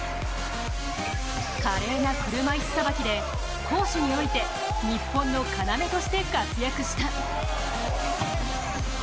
華麗な車いすさばきで攻守において、日本の要として活躍した。